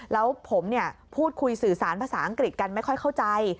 แล้วผมพูดคุยสื่อสารภาษาอังกฤษกันไม่ค่อยเข้าใจ